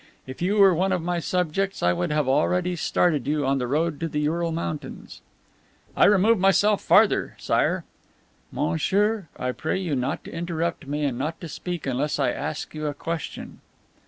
If you were one of my subjects I would have already started you on the road to the Ural Mountains." "I remove myself farther, Sire." "Monsieur, I pray you not to interrupt me and not to speak unless I ask you a question."